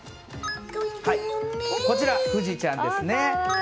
こちら藤ちゃんですね。